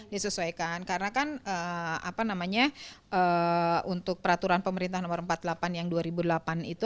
disesuaikan karena kan apa namanya untuk peraturan pemerintah nomor empat puluh delapan yang dua ribu delapan itu